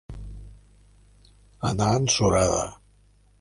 Anar en surada.